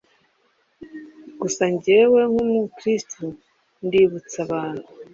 Gusa ngewe nk’umukristu, ndibutsa abantu